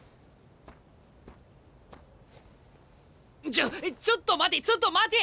ちょちょっと待てちょっと待て！